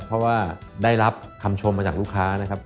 เพราะว่าได้รับคำชมมาจากลูกค้านะครับ